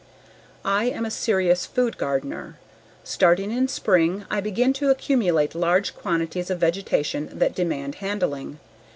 I am a serious food gardener. Starting in spring I begin to accumulate large quantities of vegetation that demand handling.